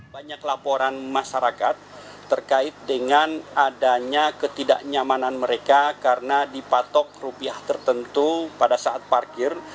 banyak laporan masyarakat terkait dengan adanya ketidaknyamanan mereka karena dipatok rupiah tertentu pada saat parkir